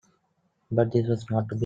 But this was not to be.